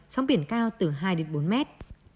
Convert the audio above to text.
gió biển cao từ hai bốn mét